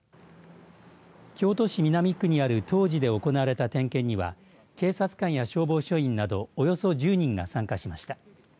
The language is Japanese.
京都市南区にある東寺で行われた点検には警察官や消防署員などおよそ１０人が参加しました。